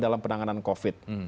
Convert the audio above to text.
dalam penanganan covid